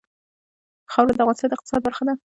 خاوره د افغانستان د اقتصاد برخه ده.